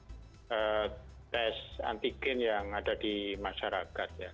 ada tes antigen yang ada di masyarakat